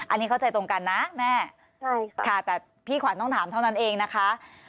อันนี้เข้าใจตรงกันนะแม่ใช่ค่ะแต่พี่ขวัญต้องถามเท่านั้นเองนะคะ